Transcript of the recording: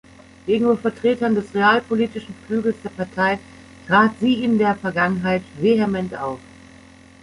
Gegenüber Vertretern des realpolitischen Flügels der Partei trat sie in der Vergangenheit vehement auf.